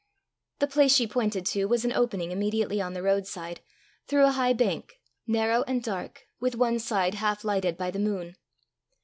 The place she pointed to was an opening immediately on the roadside, through a high bank narrow and dark, with one side half lighted by the moon.